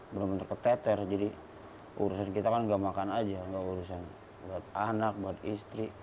belum terpeter jadi urusan kita kan enggak makan aja nggak urusan buat anak buat istri